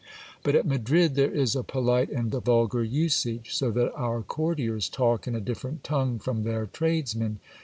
But at Madrid there is a polite and a vulgar usage ; so that our courtiers talk in a different tongue from their tradesmen.